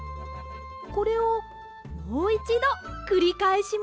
これをもう１どくりかえします。